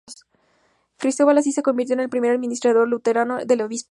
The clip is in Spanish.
Cristóbal así se convirtió en el primer administrador luterano del obispado.